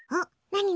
何？